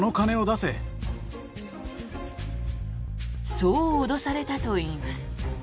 そう脅されたといいます。